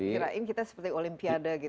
kira kira kita seperti olimpiade gitu harus memberi